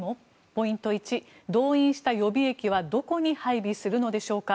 ポイント１、動員した予備役はどこに配備するのでしょうか。